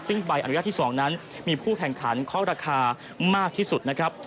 ซึ่งใบอนุญาตที่๒นั้นมีผู้แข่งขันเคาะราคามากที่สุดนะครับ